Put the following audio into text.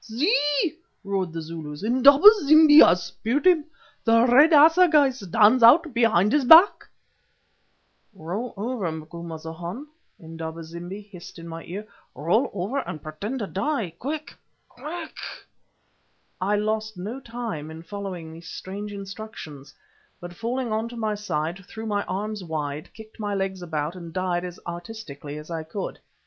"See!" roared the Zulus. "Indaba zimbi has speared him; the red assegai stands out behind his back." "Roll over, Macumazahn," Indaba zimbi hissed in my ear, "roll over and pretend to die—quick! quick!" I lost no time in following these strange instructions, but falling on to my side, threw my arms wide, kicked my legs about, and died as artistically as I could.